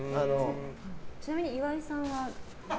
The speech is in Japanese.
ちなみに岩井さんは？